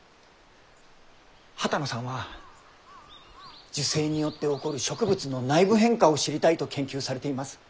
波多野さんは受精によって起こる植物の内部変化を知りたいと研究されています。